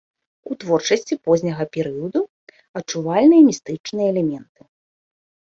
У творчасці позняга перыяду адчувальныя містычныя элементы.